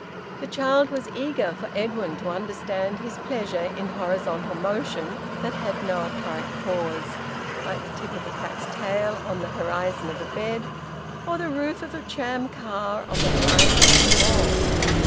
The child was eager for Edwin to understand his pleasure in horizontal motion that had no apparent cause, like the tip of a cat's tail on the horizon of a bed, or the roof of a tram car on the horizon of the wall.